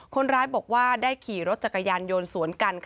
คนร้ายบอกว่าได้ขี่รถจักรยานยนต์สวนกัน